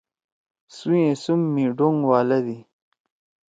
سُوئے سُم می ڈونک والَدی۔